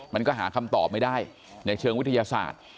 มันก็หาคำตอบไม่ได้ในเชิงวิทยาศาสตร์